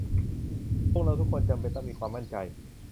พวกเราทุกคนจำเป็นต้องมีความมั่นใจ